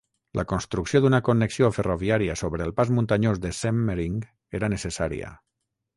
La construcció d'una connexió ferroviària sobre el pas muntanyós de Semmering era necessària.